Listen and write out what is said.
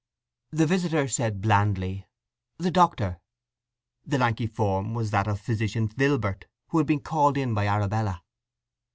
The visitor said blandly: "The Doctor." The lanky form was that of Physician Vilbert, who had been called in by Arabella.